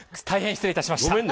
大変失礼致しました。